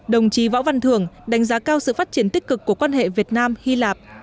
đồng chí võ văn thường đánh giá cao sự phát triển tích cực của quan hệ việt nam hy lạp